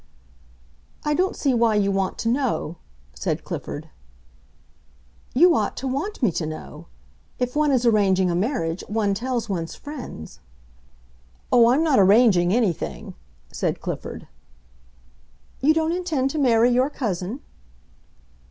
"I don't see why you want to know," said Clifford. "You ought to want me to know. If one is arranging a marriage, one tells one's friends." "Oh, I'm not arranging anything," said Clifford. "You don't intend to marry your cousin?"